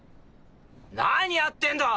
何やってんだ！